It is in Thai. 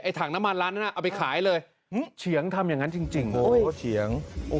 ไอฐางน้ำมันร้านนั้นน่ะเอาไปขายเลยเงียงทำอย่างงานจริง